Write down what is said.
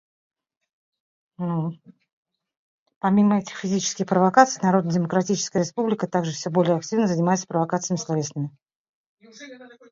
Помимо этих физических провокаций, Народно-Демократическая Республика также все более активно занимается провокациями словесными.